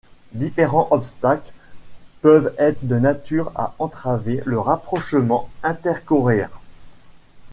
Différents obstacles peuvent être de nature à entraver le rapprochement intercoréen.